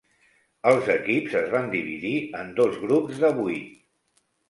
Els equips es van dividir en dos grups de vuit.